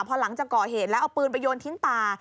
พอหลังจากก่อเหตุแล้วเอาปืนไปโยนทิ้งป่า